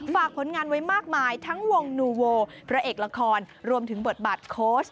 ฝากผลงานไว้มากมายทั้งวงนูโวพระเอกละครรวมถึงบทบาทโค้ช